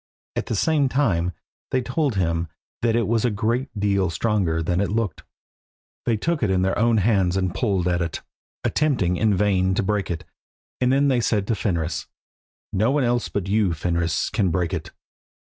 At the same time they told him that it was a good deal stronger than it looked. They took it in their own hands and pulled at it, attempting in vain to break it, and then they said to Fenris "No one else but you, Fenris, can break it."